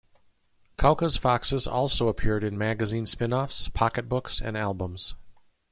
Kauka's foxes also appeared in magazine spin-offs, pocket books and albums.